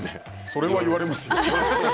それは言われますよ。